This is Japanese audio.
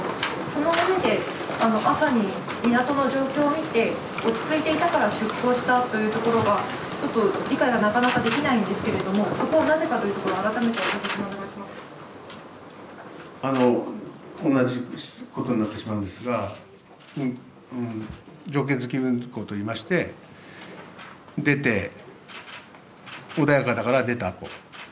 その上で、朝に港の状況を見て、落ち着いていたから出航したというところがちょっと理解がなかなかできないんですけれども、そこをなぜかというところを、同じことになってしまうんですが、条件付き運航といいまして、出て、穏やかだから出たと。